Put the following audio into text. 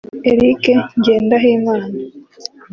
Eric Ngendahimana